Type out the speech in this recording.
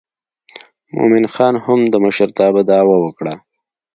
مومن خان هم د مشرتابه دعوه وکړه.